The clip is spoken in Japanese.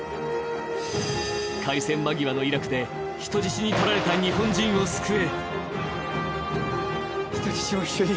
開戦間際のイラクで人質にとられた日本人を救え。